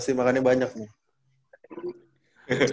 pasti makannya banyak nih